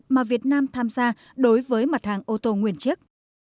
mà việt nam tham gia đối với mặt hàng ô tô nguyên chiếc